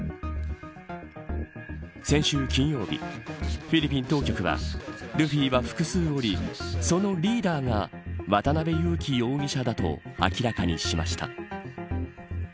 先週金曜日フィリピン当局はルフィは複数おりそのリーダーが渡辺優樹容疑者だと明らかにしました。